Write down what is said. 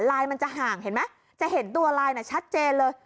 มันจะห่างเห็นไหมจะเห็นตัวลายน่ะชัดเจนเลย